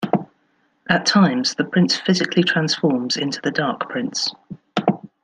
At times, the Prince physically transforms into the Dark Prince.